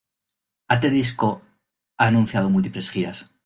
At The Disco ha anunciado múltiples giras.